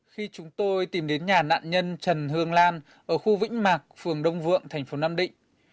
khi chúng tôi tìm đến nhà nạn nhân trần hương lan ở khu vĩnh mạc phường đông vượng thành phố nam định